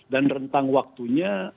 dan rentang waktunya